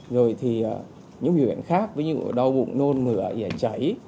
rồi thì những biểu hiện khác ví dụ như là đau bụng nôn ngửa ỉa chảy